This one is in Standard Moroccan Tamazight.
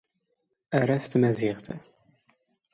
ⴰⵔⴰ ⵙ ⵜⵎⴰⵣⵉⵖⵜ.